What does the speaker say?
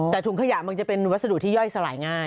แต่ถุงขยะมันจะเป็นวัสดุที่ย่อยสลายง่าย